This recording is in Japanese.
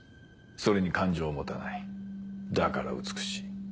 それに感情を持たないだから美しい。